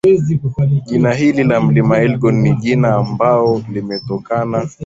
jina hili la mlima elgon ni jina ambao limetokana